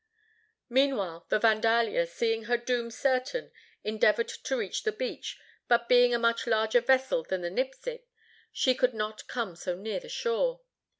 Meanwhile the Vandalia, seeing her doom certain, endeavored to reach the beach, but being a much larger vessel than the Nipsic, she could not come so near the shore.